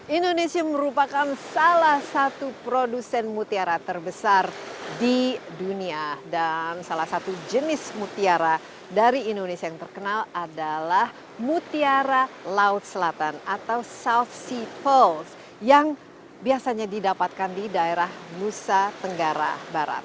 indonesia merupakan salah satu produsen mutiara terbesar di dunia dan salah satu jenis mutiara dari indonesia yang terkenal adalah mutiara laut selatan atau south sea pulse yang biasanya didapatkan di daerah nusa tenggara barat